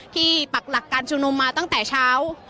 ปักหลักการชุมนุมมาตั้งแต่เช้า